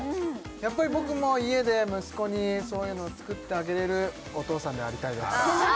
やっぱり僕も家で息子にそういうのを作ってあげれるお父さんでありたいですああ